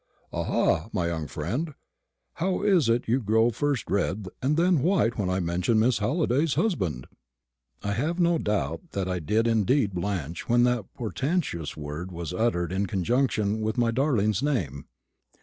Aha! my young friend, how is it you grow first red and then white when I mention Miss Halliday's husband?" I have no doubt that I did indeed blanch when that portentous word was uttered in conjunction with my darling's name.